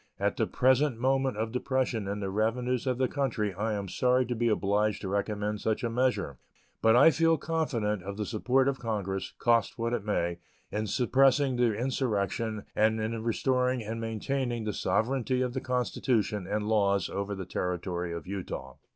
At the present moment of depression in the revenues of the country I am sorry to be obliged to recommend such a measure; but I feel confident of the support of Congress, cost what it may, in suppressing the insurrection and in restoring and maintaining the sovereignty of the Constitution and laws over the Territory of Utah.